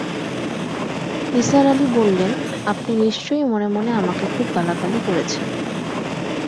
নিসার আলি বললেন, আপনি নিশ্চয়ই মনে-মনে আমাকে খুব গালাগালি করেছেন।